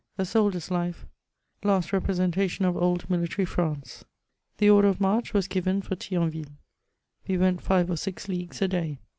SOI^DIEB's UFE^I«A8T B£PSES£NTATI0N OP OLD MILITABY FBANCE^ The order of march was ffiven for Thionville: we went five or six leagues a day.